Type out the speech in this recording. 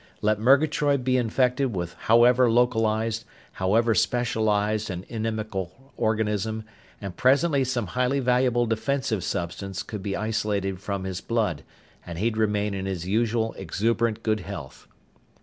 Let Murgatroyd be infected with however localized, however specialized an inimical organism, and presently some highly valuable defensive substance could be isolated from his blood and he'd remain in his usual exuberant good health.